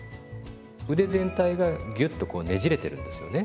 腕全体がギュッとこうねじれてるんですよね。